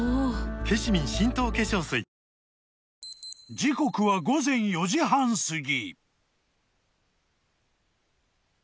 ［時刻は午前４時半すぎ］